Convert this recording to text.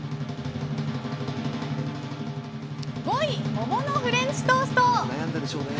５位、桃のフレンチトースト。